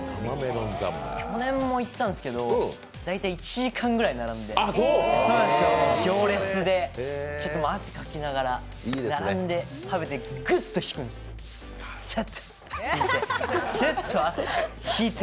去年も行ったんですけど大体１時間ぐらい並んで行列で、汗かきながら並んで食べて、グッと引くんです、スッと汗引いて。